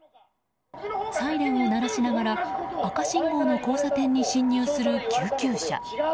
サイレンを鳴らしながら赤信号の交差点に進入する救急車。